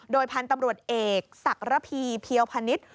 โดยพันธุ์ตำรวจเอกศักระพีเพียวพนิษฐ์